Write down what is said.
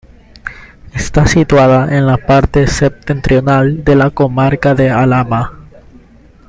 Está situada en la parte septentrional de la comarca de Alhama.